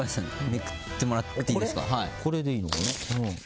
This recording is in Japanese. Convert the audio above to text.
めくってもらっていいですか？